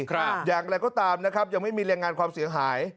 อย่างไรก็ตามนะครับยังไม่มีรายงานความเสียหาย